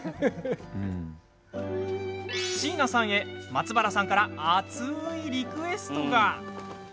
椎名さんへ、松原さんから熱いリクエストが！